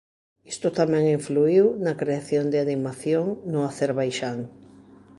Isto tamén influíu na creación de animación no Acerbaixán.